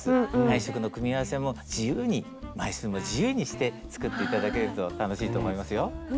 配色の組み合わせも自由に枚数も自由にして作って頂けると楽しいと思いますよ。